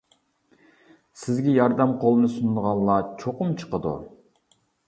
سىزگە ياردەم قولىنى سۇنىدىغانلار چوقۇم چىقىدۇ.